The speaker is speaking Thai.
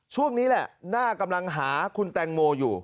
ช่วงนี้แหละหน้ากำลังหาคุณแตงโมอยู่